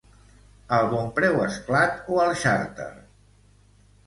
Al Bonpreu-Esclat o al Charter?